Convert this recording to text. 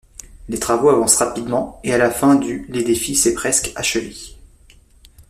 Les travaux avancent rapidement et à la fin du l'édifice est presque achevé.